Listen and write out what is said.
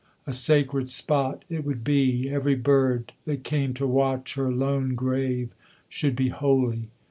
A sacred spot it would be every bird That came to watch her lone grave should be holy.